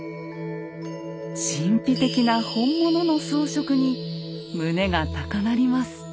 神秘的な本物の装飾に胸が高鳴ります。